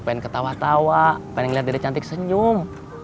pengen ketawa tawa pengen liat dede cantik senyum